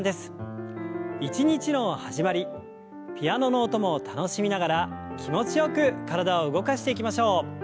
一日の始まりピアノの音も楽しみながら気持ちよく体を動かしていきましょう。